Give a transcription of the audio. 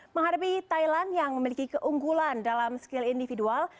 menghadapi thailand yang memiliki keunggulan dalam skill individual